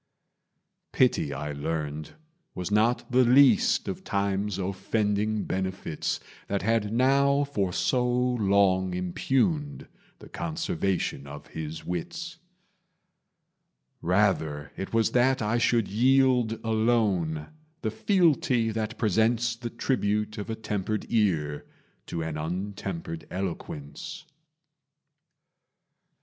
Pity, I learned, was not the least Of time's offending benefits That had now for so long impugned The conservation of his wits: Rather it was that I should yield, Alone, the fealty that presents The tribute of a tempered ear To an untempered eloquence.